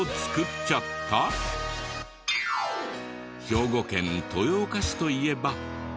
兵庫県豊岡市といえば。